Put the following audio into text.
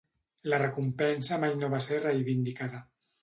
La recompensa mai no va ser reivindicada.